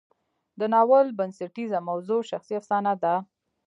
د ناول بنسټیزه موضوع شخصي افسانه ده.